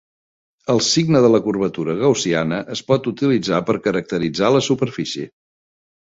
El signe de la curvatura gaussiana es pot utilitzar per caracteritzar la superfície.